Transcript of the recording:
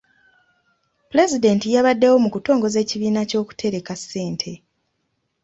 Pulezidenti yabaddewo mu kutongoza ekibiina ky'okutereka ssente.